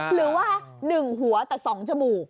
หรือว่า๑หัวแต่๒จมูก